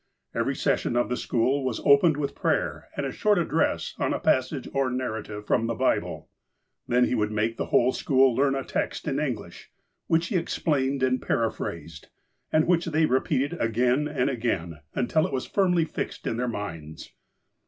Every session of the school was opened with prayer and a short address on a passage or narrative from the Bible. Then he would make the whole school learn a text in English, which he explained and paraphrased, and which they repeated again and again until it was firmly fixed in their minds.